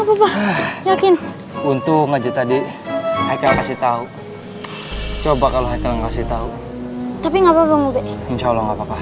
bingung aja tadi kasih tahu coba kalau kasih tahu tapi nggak apa apa